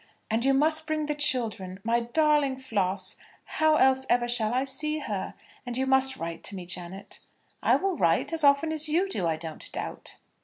"And you must bring the children my darling Flos! How else ever shall I see her? And you must write to me, Janet." "I will write, as often as you do, I don't doubt."